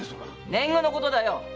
年貢のことだよ。